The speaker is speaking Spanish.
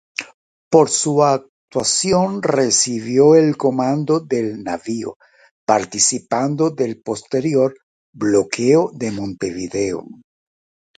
Por su actuación recibió el comando del navío, participando del posterior bloqueo de Montevideo.